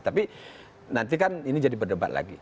tapi nanti kan ini jadi berdebat lagi